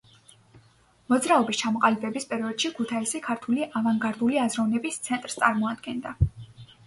მოძრაობის ჩამოყალიბების პერიოდში ქუთაისი ქართული ავანგარდული აზროვნების ცენტრს წარმოადგენდა.